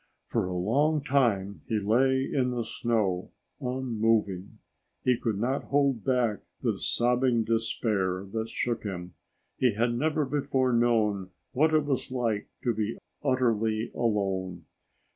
For a long time he lay in the snow, unmoving. He could not hold back the sobbing despair that shook him. He had never before known what it was like to be utterly alone.